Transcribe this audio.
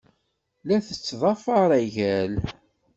La tettḍafar agal.